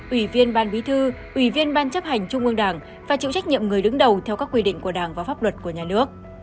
ủy viên ban bí thư ủy viên ban chấp hành trung ương đảng phải chịu trách nhiệm người đứng đầu theo các quy định của đảng và pháp luật của nhà nước